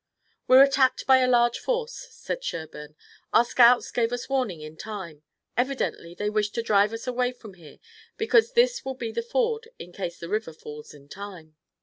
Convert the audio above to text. "We're attacked by a large force," said Sherburne, "Our scouts gave us warning in time. Evidently they wish to drive us away from here because this will be the ford in case the river falls in time."